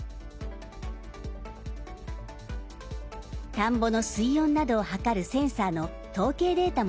田んぼの水温などを測るセンサーの統計データも共有されています。